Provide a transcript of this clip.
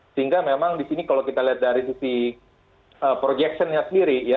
sehingga memang di sini kalau kita lihat dari sisi projection nya sendiri ya